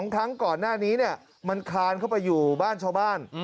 ครั้งก่อนหน้านี้มันคลานเข้าไปอยู่บ้านชาวบ้าน